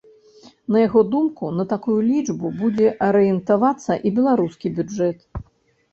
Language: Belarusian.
На яго думку, на такую лічбу будзе арыентавацца і беларускі бюджэт.